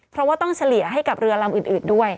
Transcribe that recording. เพราะว่าต้องเฉลี่ยให้กับเรือลำอื่นด้วย